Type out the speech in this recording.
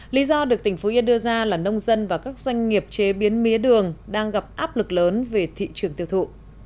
lý do được tỉnh phú yên đưa ra là nông dân và các doanh nghiệp chế biến mía đường đang gặp áp lực lớn về thị trường tiêu thụ